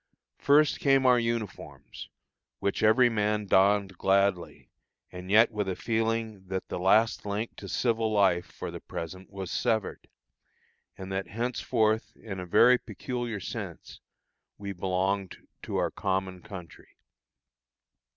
First came our uniforms, which every man donned gladly, and yet with a feeling that the last link to civil life, for the present, was severed, and that henceforth in a very peculiar sense we belonged to our common country.